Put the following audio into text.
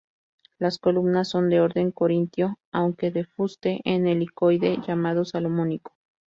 Las columnas son de orden corintio, aunque de fuste en helicoide, llamado salomónico.